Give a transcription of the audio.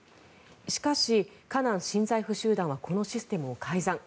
しかし、河南新財富集団はこのシステムを改ざん。